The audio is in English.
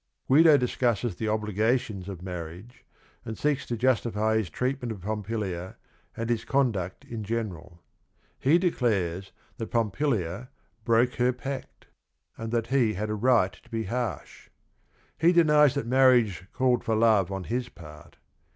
Guido discusses the obligations of marriage, and seeks to justify his treatment of Pompilia and his conduct in general. He declares that Pompilia "broke her pact" — and that he had a right to be harsh. He denies that marriage called for love on his part.